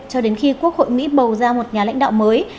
cho đến khi quốc hội mỹ bầu ra một nhà lãnh đạo mới